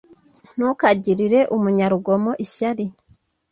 Ntukagirire umunyarugomo ishyari